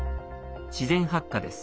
自然発火です。